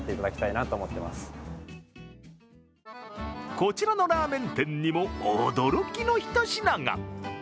こちらのラーメン店にも驚きのひと品が。